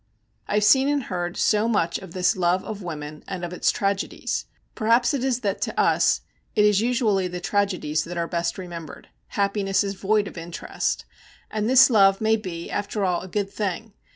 I have seen and heard so much of this love of women and of its tragedies. Perhaps it is that to us it is usually the tragedies that are best remembered. Happiness is void of interest. And this love may be, after all, a good thing.